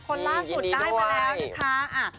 คนล่าสุดได้มาแล้วนะคะ